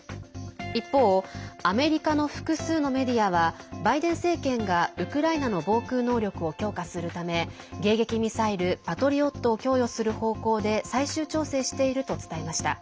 一方、アメリカの複数のメディアはバイデン政権が、ウクライナの防空能力を強化するため迎撃ミサイル「パトリオット」を供与する方向で最終調整していると伝えました。